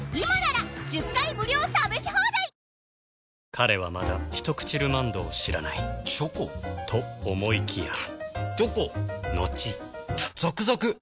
彼はまだ「ひとくちルマンド」を知らないチョコ？と思いきやチョコのちザクザク！